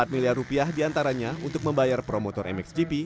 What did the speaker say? empat miliar rupiah diantaranya untuk membayar promotor mxgp